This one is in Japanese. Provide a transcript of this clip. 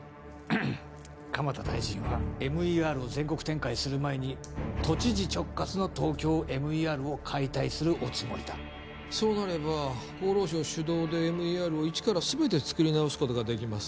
蒲田大臣はＭＥＲを全国展開する前に都知事直轄のＴＯＫＹＯＭＥＲを解体するおつもりだそうなれば厚労省主導でＭＥＲを一から全てつくり直すことができます